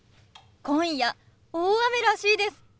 今夜大雨らしいです。